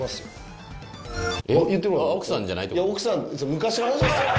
昔の話ですよ。